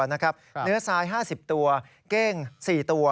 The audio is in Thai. เนื้อทราย๕๐ตัวเก้ง๔ตัว